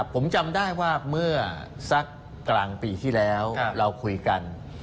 ผมจำได้ว่าเมื่อสักกลางปีที่แล้วเราคุยกัน